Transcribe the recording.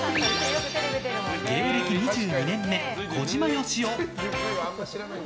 芸歴２２年目、小島よしお。